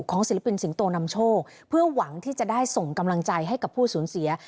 ศิลปินสิงโตนำโชคเพื่อหวังที่จะได้ส่งกำลังใจให้กับผู้สูญเสีย